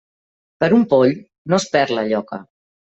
Per un poll no es perd la lloca.